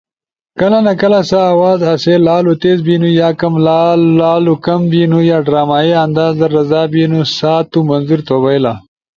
کلہ نہ کلہ سا آواز ایسے لالو تیز بیںنپو یا لالو کم بینُو یا ڈرامائی انداز در رضا بیئنو سا تُو منظور تو بئیلا۔